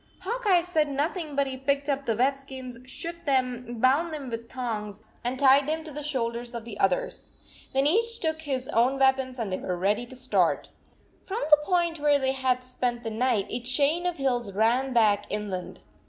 Hawk Eye said nothing, but he picked up the wet skins, shook them, bound them with thongs, and tied them to the shoulders of the others. Then each took his own weapons and they were ready to start. ii From the point where they had spent the night, a chain of hills ran back inland.